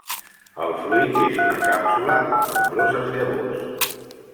El fruit és una càpsula amb nombroses llavors.